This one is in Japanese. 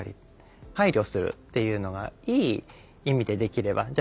配慮するっていうのがいい意味でできればじゃ